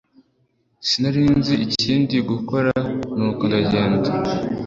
Sinari nzi ikindi gukora nuko ndagenda